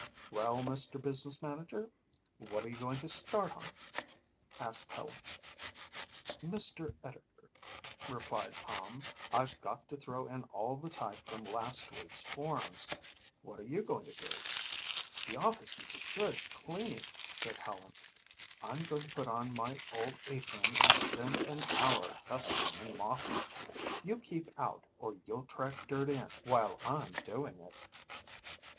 "Well, Mr. Business Manager, what are you going to start on?" asked Helen. "Mr. Editor," replied Tom, "I've got to throw in all the type from last week's forms. What are you going to do?" "The office needs a good cleaning," said Helen. "I'm going to put on my old apron and spend an hour dusting and mopping. You keep out or you'll track dirt in while I'm doing it."